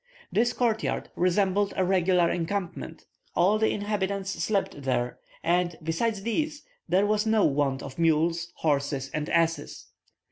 This court yard resembled a regular encampment: all the inhabitants slept there; and, besides these, there was no want of mules, horses, and asses.